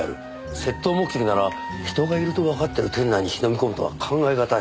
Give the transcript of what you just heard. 窃盗目的なら人がいるとわかってる店内に忍び込むとは考えがたい。